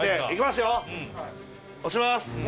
押します。